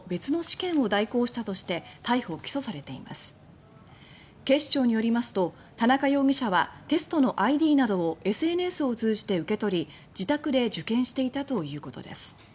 警視庁によりますと田中容疑者はテストのＩＤなどをＳＮＳを通じて受け取り自宅で受験していたということです。